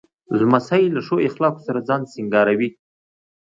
لمسی له ښو اخلاقو سره ځان سینګاروي.